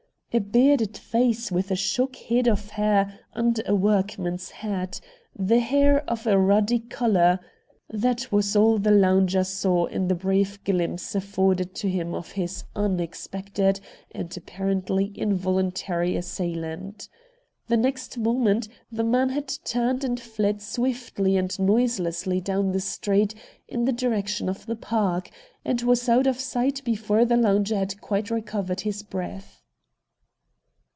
A bearded face with a shock head of hair under a workman's hat, the hair of a ruddy colour — that was all the lounger saw in the brief glimpse afforded to him of his unexpected io6 RED DIAMONDS and apparently involuntary assailant. The next moment the man had turned and fled swiftly and noiselessly down the street in the direction of the Park, and was out of sight be fore the lounger had quite recovered his breath.